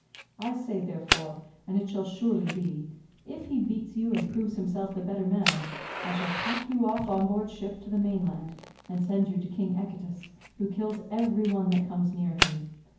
I say, therefore—and it shall surely be—if he beats you and proves himself the better man, I shall pack you off on board ship to the mainland and send you to king Echetus, who kills every one that comes near him.